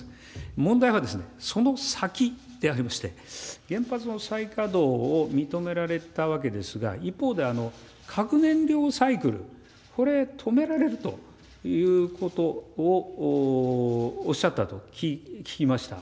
問題はその先でありまして、原発の再稼働を認められたわけですが、一方で、核燃料サイクル、これ、止められるということをおっしゃったと聞きました。